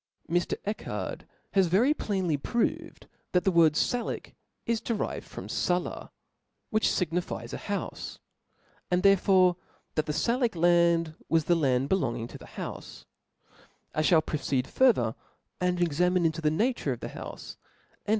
Mr, Echard has very plainly proved, that the word Salic is derived from Sala^ which fignifies a houfe ; and, therefore, that the Salic land was the 2 land OP LAWS* 417 lattd belonging to the houfe* I (hall proceed farther, xvin*^ and examine into the nature of the houfe, and of chap.